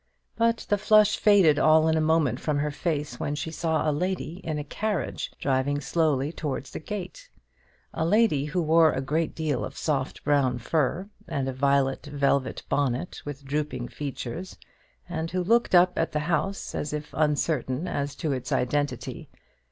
But the flush faded all in a moment from her face when she saw a lady in a carriage driving slowly towards the gate, a lady who wore a great deal of soft brown fur, and a violet velvet bonnet with drooping features, and who looked up at the house as if uncertain as to its identity.